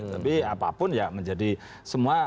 tapi apapun ya menjadi semua